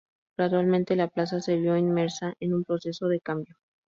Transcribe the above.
Gradualmente la plaza se vio inmersa en un proceso de cambio.